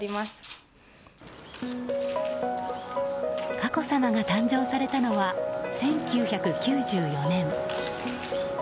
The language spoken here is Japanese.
佳子さまが誕生されたのは１９９４年。